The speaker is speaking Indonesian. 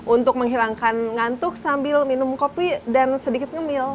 untuk menghilangkan ngantuk sambil minum kopi dan sedikit ngemil